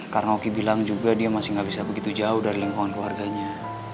karena oki bilang juga dia masih gak bisa begitu jauh dari lingkungan keluarganya